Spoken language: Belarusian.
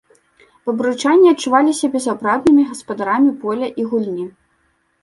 Бабруйчане адчувалі сябе сапраўднымі гаспадарамі поля і гульні.